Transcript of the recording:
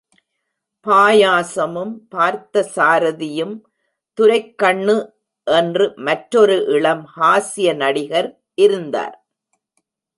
பாயாசமும் பார்த்த சாரதியும் துரைக்கண்ணு என்று மற்றொரு இளம் ஹாஸ்ய நடிகர் இருந்தார்.